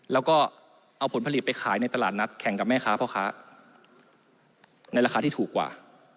แล้วก็เอาผลผลิตไปขายในตลาดนัดแข่งกับแม่ค้าพ่อค้าในราคาที่ถูกกว่า